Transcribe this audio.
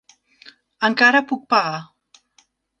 Encara puc pagar.